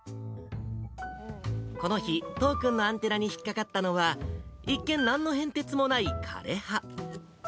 この日、都央君のアンテナに引っ掛かったのは、一見、なんの変哲もない枯れ葉。